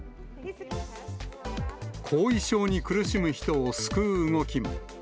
後遺症に苦しむ人を救う動きも。